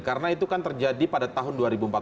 karena itu kan terjadi pada tahun dua ribu empat belas